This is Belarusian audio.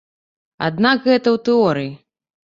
Аднак гэта ў тэорыі.